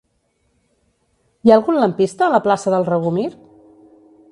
Hi ha algun lampista a la plaça del Regomir?